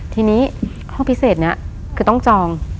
ทีนี้ห้องพิเศษนี้คือต้องจอง